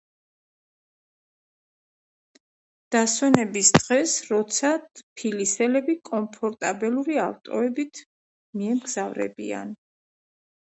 დასვენების დღეს, როცა ტფილისელები კომფორტაბელური ავტოებით მიემგზავრებიან